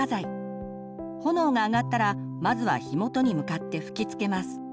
炎があがったらまずは火元に向かって吹きつけます。